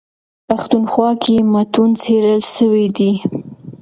پښتونخوا کي متون څېړل سوي دي.